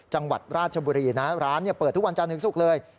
จังหวัดราชบุรีนะร้านเปิดทุกวันจันทร์ถึงศุกร์เลย